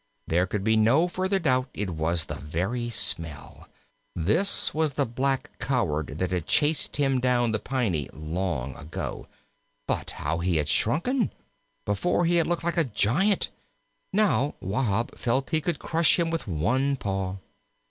There could be no further doubt it was the very smell: this was the black coward that had chased him down the Piney long ago. But how he had shrunken! Before, he had looked like a giant; now Wahb felt he could crush him with one paw.